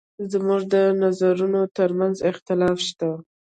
زموږ د نظرونو تر منځ اختلاف شته.